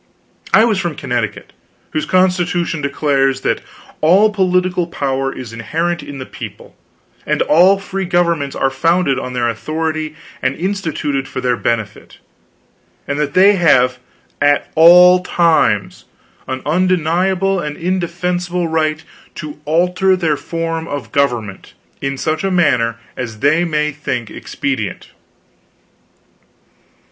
I was from Connecticut, whose Constitution declares "that all political power is inherent in the people, and all free governments are founded on their authority and instituted for their benefit; and that they have at all times an undeniable and indefeasible right to alter their form of government in such a manner as they may think expedient."